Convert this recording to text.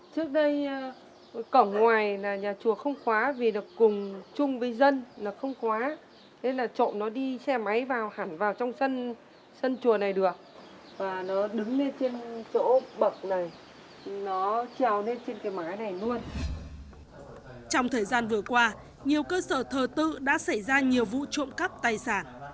trong thời gian vừa qua nhiều cơ sở thờ tự đã xảy ra nhiều vụ trộm cắp tài sản